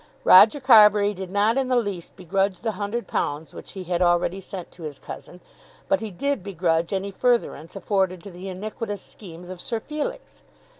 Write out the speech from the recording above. Roger Carbury did not in the least begrudge the hundred pounds which he had already sent to his cousin; but he did begrudge any furtherance afforded to the iniquitous schemes of Sir Felix.